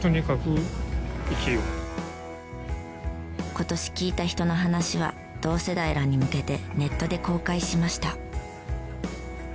今年聞いた人の話は同世代らに向けてネットで公開しました。